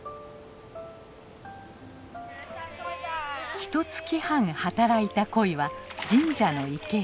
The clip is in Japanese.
ひとつき半働いたコイは神社の池へ。